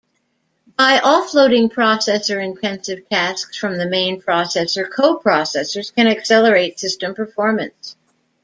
By offloading processor-intensive tasks from the main processor, coprocessors can accelerate system performance.